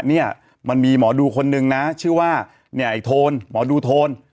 เนี่ยมันมีหมอดูคนนึงนะชื่อว่าเนี่ยไอ้โทนหมอดูโทน